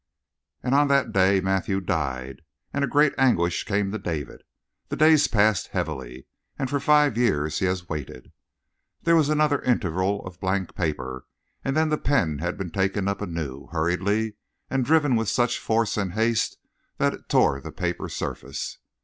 "And on that day Matthew died, and a great anguish came to David. The days passed heavily. And for five years he has waited." There was another interval of blank paper, and then the pen had been taken up anew, hurriedly, and driven with such force and haste that it tore the paper surface.